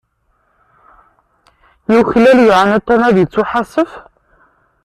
Yuklal yeεni Tom ad ittuḥasef?